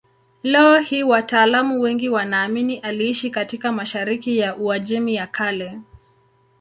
Leo hii wataalamu wengi wanaamini aliishi katika mashariki ya Uajemi ya Kale.